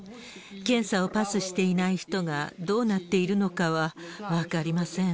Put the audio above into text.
検査をパスしていない人が、どうなっているのかは分かりません。